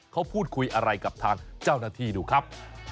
เขาพูดคุยอะไรกับทางเจ้าหน้าที่ดูครับ